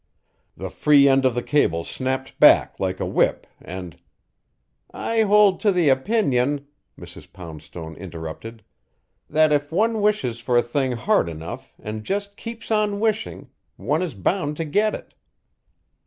The free end of the cable snapped back like a whip, and " "I hold to the opinion," Mrs. Poundstone interrupted, "that if one wishes for a thing hard enough and just keeps on wishing, one is bound to get it."